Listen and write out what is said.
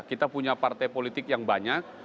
kita punya partai politik yang banyak